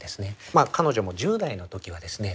彼女も１０代の時はですね